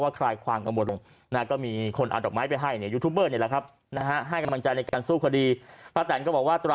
ป้าแตนก็บอกว่าคงไม่ฝากหรอกเพราะคิดว่าเขาคงรู้อยู่แล้วล่ะ